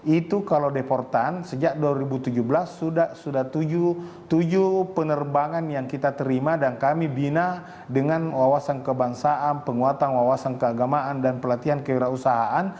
itu kalau deportan sejak dua ribu tujuh belas sudah tujuh penerbangan yang kita terima dan kami bina dengan wawasan kebangsaan penguatan wawasan keagamaan dan pelatihan kewirausahaan